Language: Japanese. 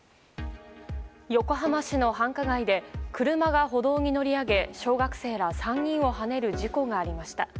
横浜市の繁華街で車が歩道に乗り上げ小学生ら３人をはねる事故がありました。